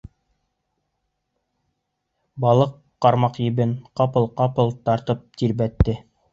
Балыҡ ҡармаҡ ебен ҡапыл-ҡапыл тартып тирбәтте.